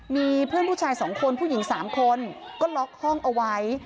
มีเพื่อนผู้ชาย๒คนผู้หญิง๓คนก็ล็อกห้องเอาไว้